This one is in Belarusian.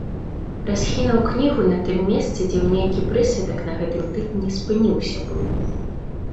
Расхінуў кнігу на тым месцы, дзе ў нейкі прысвятак на гэтым тыдні спыніўся быў.